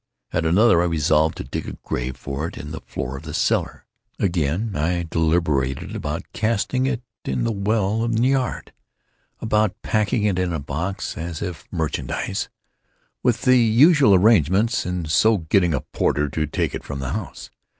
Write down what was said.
At another, I resolved to dig a grave for it in the floor of the cellar. Again, I deliberated about casting it in the well in the yard—about packing it in a box, as if merchandise, with the usual arrangements, and so getting a porter to take it from the house.